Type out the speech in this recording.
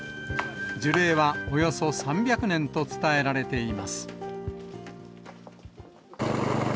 樹齢はおよそ３００年と伝えられています。